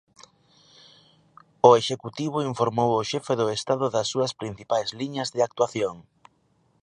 O Executivo informou o xefe do Estado das súas principais liñas de actuación.